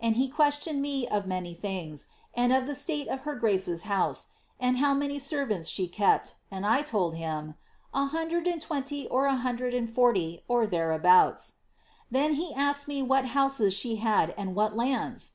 and he questioned me of many thin£j«, and of the state of her grace's house, and how many ser vants she kept, and I told him H20 or 140, or thereabouts.' Then he a<kpd me what houses she had and what lands